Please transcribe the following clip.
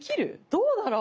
どうだろう？